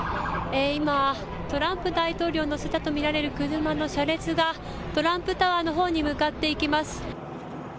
今、トランプ大統領を乗せたと見られる車の車列がトランプタワーのほうに向かっていきます。